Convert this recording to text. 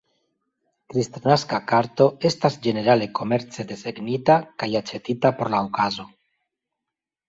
Kristnaska karto estas ĝenerale komerce desegnita kaj aĉetita por la okazo.